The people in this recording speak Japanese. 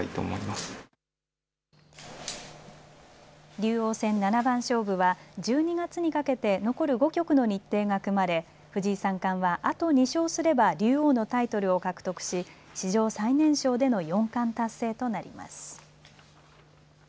竜王戦七番勝負は１２月にかけて残る５局の日程が組まれ藤井三冠はあと２勝すれば竜王のタイトルを獲得し史上最年少での四冠達成となります。